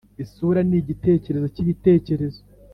isura nigitekerezo cyibitekerezo.